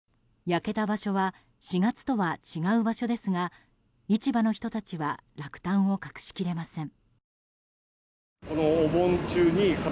焼けた場所は４月とは違う場所ですが市場の人たちは落胆を隠しきれません。